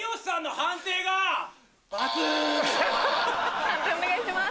判定お願いします。